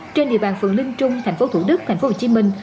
trên địa bàn phường linh trung thành phố thủ đức thành phố hồ chí minh